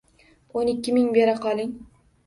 O`n ikki ming bera qoling